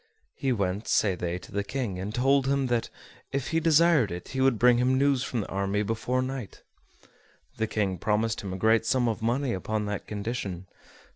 He went, say they, to the King, and told him that, if he desired it, he would bring him news from the army before night. The King promised him a great sum of money upon that condition.